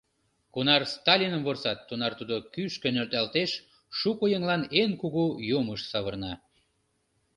Кунар Сталиным вурсат, тунар Тудо кӱшкӧ нӧлталтеш, шуко еҥлан эн кугу юмыш савырна.